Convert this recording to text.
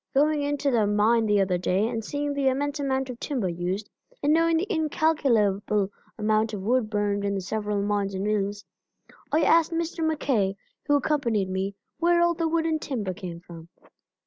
Going into the mine the other day, and seeing the immense amount of timber used, and knowing the incalculable amount of wood burned in the several mines and mills, I asked Mr. MacKay, who accompanied me, where all the wood and timber came from.